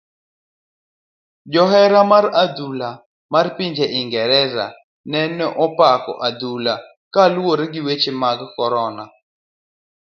Johera mag adhula mar pinje ingereza ne okopako adhula kaluwore gi weche mag korona.